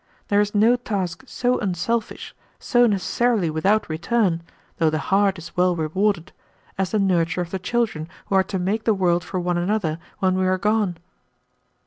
There is no task so unselfish, so necessarily without return, though the heart is well rewarded, as the nurture of the children who are to make the world for one another when we are gone."